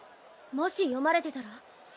もし読まれてたら？